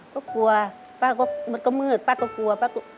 ก็กลัวป้าก็มืดก็มืดป้าก็กลัว